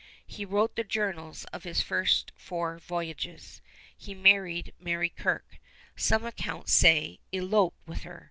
He wrote the journals of his first four voyages. He married Mary Kirke some accounts say, eloped with her.